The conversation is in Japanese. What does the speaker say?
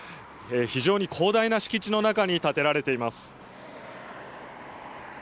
非常に広大な敷地の中に建てられています。